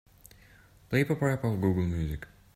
Play pop-rap off Google Music.